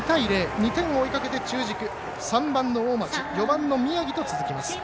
２点を追いかけて中軸４番の大町宮城と続きます。